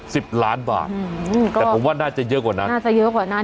สิบล้านบาทอืมแต่ผมว่าน่าจะเยอะกว่านั้นน่าจะเยอะกว่านั้น